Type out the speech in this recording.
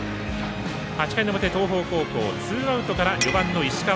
８回の表、東邦高校ツーアウトから４番の石川。